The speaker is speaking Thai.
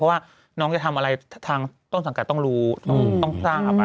เพราะว่าน้องจะทำอะไรทางต้นสังกัดต้องรู้ต้องสร้างเอาไป